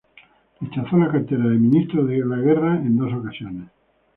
Rechazó la cartera de ministro de Guerra en dos ocasiones.